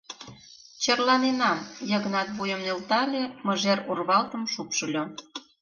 Черланенам, — Йыгнат вуйым нӧлтале, мыжер урвалтым шупшыльо.